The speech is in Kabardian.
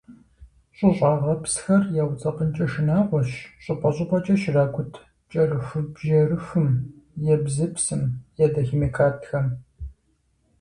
ЩӀыщӀагъыпсхэр яуцӀэпӀынкӀэ шынагъуэщ щӀыпӀэ -щӀыпӀэкӀэ щракӀут кӀэрыхубжьэрыхум, ебзыпсым, ядохимикатхэм.